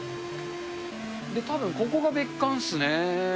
たぶんここが別館っすね。